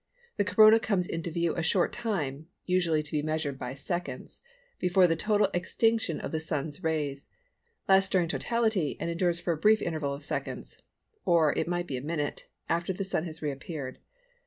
The Corona comes into view a short time (usually to be measured by seconds) before the total extinction of the Sun's rays, lasts during totality and endures for a brief interval of seconds (or it might be a minute) after the Sun has reappeared.